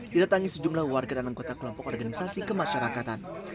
didatangi sejumlah warga dan anggota kelompok organisasi kemasyarakatan